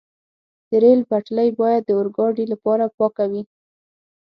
د ریل پټلۍ باید د اورګاډي لپاره پاکه وي.